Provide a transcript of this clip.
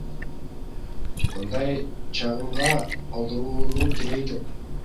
Мындай чагымга алдыруунун кереги жок.